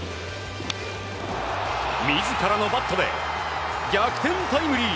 自らのバットで逆転タイムリー。